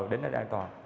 để nó an toàn